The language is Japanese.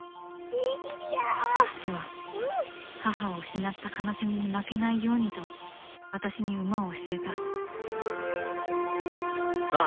父は母を失った悲しみに負けないようにと私に馬を教えたさあ